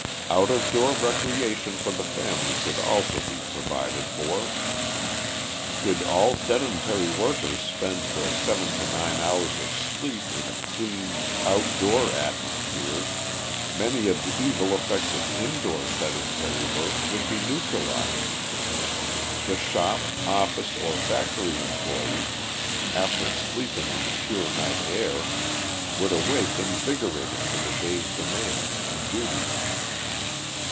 Out of door recreation for the family should also be provided for. Could all sedentary workers spend the seven to nine hours of sleep in a clean, outdoor atmosphere, many of the evil effects of indoor sedentary work would be neutralized. The shop, office, or factory employe, after sleeping in the pure night air, would awake invigorated for the day's demands and duties.